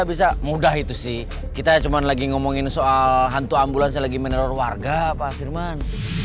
bisa mudah itu sih kita cuman lagi ngomongin soal hantu ambulans yang lagi meneror warga pak firman